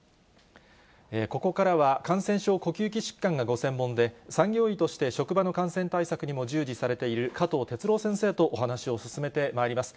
ここからは感染症呼吸器疾患がご専門で、産業医として職場の感染対策にも従事されている、加藤哲朗先生とお話を進めてまいります。